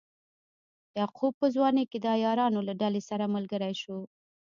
یعقوب په ځوانۍ کې د عیارانو له ډلې سره ملګری شو.